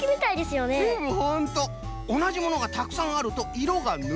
おなじものがたくさんあるといろがぬれる。